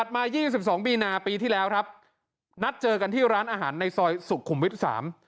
มา๒๒บีนาปีที่แล้วครับนัดเจอกันที่ร้านอาหารในซอยสุขุมวิทยุ๓